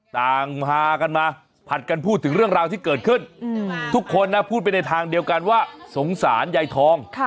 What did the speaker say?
ต่างพากันมาผัดกันพูดถึงเรื่องราวที่เกิดขึ้นทุกคนนะพูดไปในทางเดียวกันว่าสงสารยายทอง